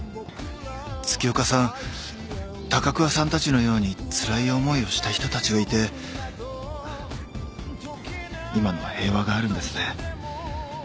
月岡さん高桑さんたちのようにつらい思いをした人たちがいて今の平和があるんですね。